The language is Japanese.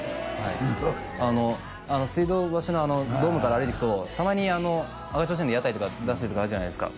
すごいね水道橋のドームから歩いていくとたまに赤提灯の屋台とか出してるとこあるじゃないですか